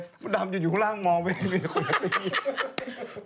บ๊วยมดำอยู่ครั้งล่างมองไม่ได้บิดหัวสี